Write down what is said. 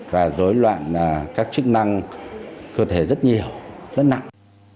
và dối loạn các chức năng cơ thể rất nhiều rất nặng